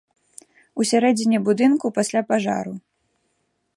У сярэдзіне будынку пасля пажару.